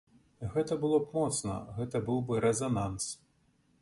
Гэта было б моцна, гэта быў бы рэзананс!